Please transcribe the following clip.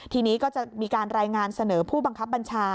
ทีนี้ก็จะมีการรายงานเสนอผู้บังคับบัญชา